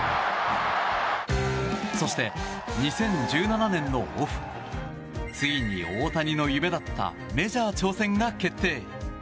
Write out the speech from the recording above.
そして、２０１７年のオフついに大谷の夢だったメジャー挑戦が決定。